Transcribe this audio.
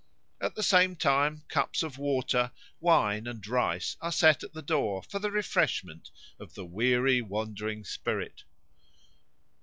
At the same time cups of water, wine, and rice are set at the door for the refreshment of the weary wandering spirit.